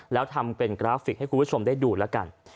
แล้วทำเป็นกราฟิกให้คุณผู้ชมได้ดูแล้วกัน